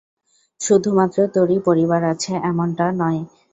শুধুমাত্র তোরই পরিবার আছে - এমনটা নয়।